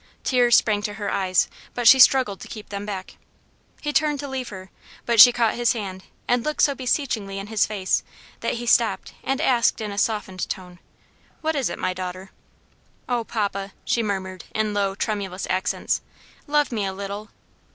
Tears sprang to her eyes, but she struggled to keep them back. He turned to leave her, but she caught his hand, and looked so beseechingly in his face, that he stopped and asked in a softened tone, "What is it, my daughter?" "Oh, papa!" she murmured in low, tremulous accents, "love me a little."